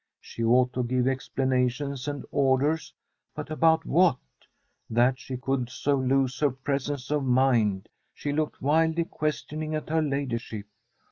She ought to give explanations and orders, but about what ? That she could so lose her presence of mind ! She looked wildly ques tioning at her ladyship.